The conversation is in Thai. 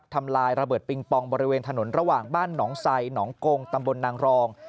ทำลายระเบิดปิงปองบริเวณถนนระหว่างบ้านหนองไซหนองกงตำบลนางรอง